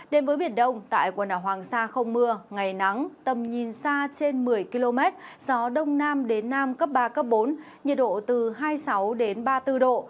đến với biển đông tại quần đảo hoàng sa không mưa ngày nắng tầm nhìn xa trên một mươi km gió đông nam đến nam cấp ba bốn nhiệt độ từ hai mươi sáu ba mươi bốn độ